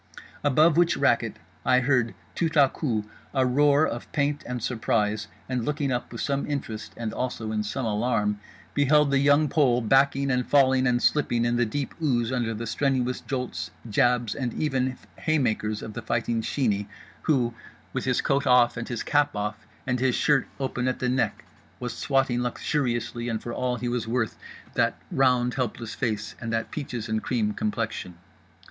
Above which racket I heard tout à coup a roar of pain and surprise; and looking up with some interest and also in some alarm, beheld The Young Pole backing and filling and slipping in the deep ooze under the strenuous jolts, jabs and even haymakers of The Fighting Sheeney, who, with his coat off and his cap off and his shirt open at the neck, was swatting luxuriously and for all he was worth that round helpless face and that peaches and cream complexion.